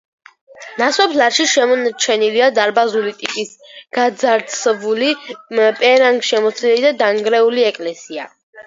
ნასოფლარში შემორჩენილია დარბაზული ტიპის გაძარცვული, პერანგშემოცლილი და დანგრეული ეკლესია.